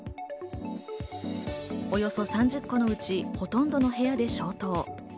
およそ３０戸のうち、ほとんどの部屋で消灯。